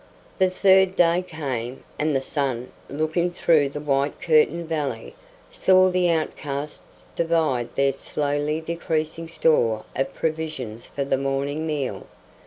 The third day came, and the sun, looking through the white curtained valley, saw the outcasts divide their slowly decreasing store of provisions for the morning meal.